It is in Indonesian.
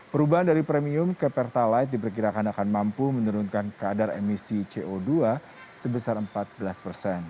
perubahan dari premium ke pertalite diperkirakan akan mampu menurunkan kadar emisi co dua sebesar empat belas persen